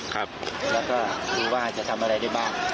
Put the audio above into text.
ครับแล้วก็ดูว่าจะทำอะไรได้บ้าง